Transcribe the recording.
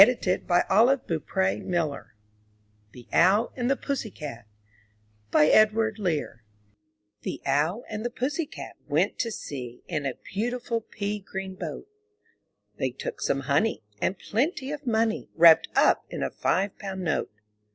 411 M Y BOOK HOUSE THE OWL AND THE PUSSY CAT Edward Lear The Owl and The Pussy Cat went to sea In a beautiful pea green boat: They took some honey, and plenty of money Wrapped up in a five pound note.